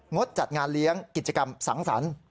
ดจัดงานเลี้ยงกิจกรรมสังสรรค์